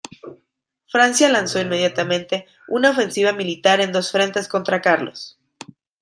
Francia lanzó inmediatamente una ofensiva militar en dos frentes contra Carlos.